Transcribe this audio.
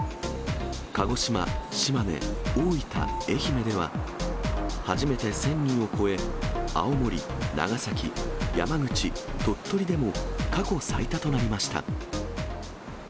鹿児島、島根、大分、愛媛では、初めて１０００人を超え、青森、長崎、山口、鳥取でも、過去最多となりました。